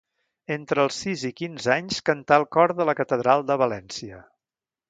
Entre els sis i quinze anys cantà al cor de la catedral de València.